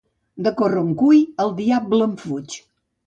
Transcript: De Corroncui, el diable en fuig.